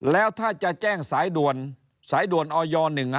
แล้วถ้าจะแจ้งสายด่วนสายด่วนออย๑